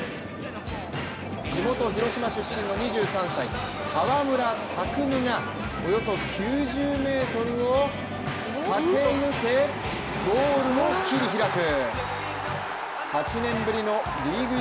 地元・広島出身の２３歳、川村拓夢がおよそ９０ｍを駆け抜けゴールを切り開く！